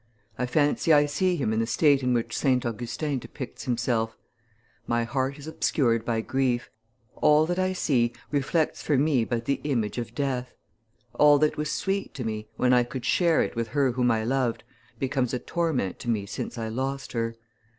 I fancy I see him in the state in which St. Augustin depicts himself: 'My heart is obscured by grief. All that I see reflects for me but the image of death. All that was sweet to me, when I could share it with her whom I loved, becomes a torment to me since I lost her.